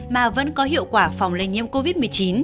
mà vẫn có hiệu quả phòng lây nhiễm covid một mươi chín